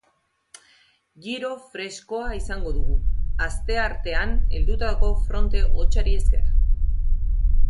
Giro freskoa izango dugu, asteartean heldutako fronte hotzari esker.